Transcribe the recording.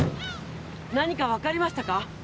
何か分かりましたか？